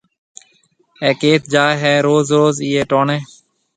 اَي ڪيٿ جائي هيَ روز روز ايئي ٽوڻيَ